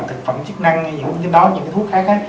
thực phẩm chức năng hay những cái thuốc khác